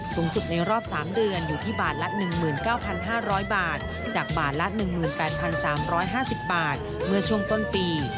สูงสุดในรอบ๓เดือนอยู่ที่บาทละ๑๙๕๐๐บาทจากบาทละ๑๘๓๕๐บาทเมื่อช่วงต้นปี